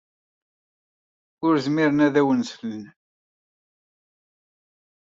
Ur zmiren ad awen-slen.